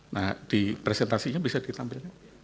nah di presentasinya bisa ditampilkan